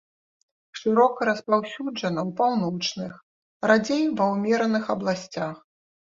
Шырока распаўсюджана ў паўночных, радзей ва ўмераных абласцях.